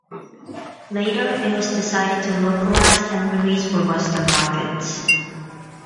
Later, it was decided to localize and release for Western markets.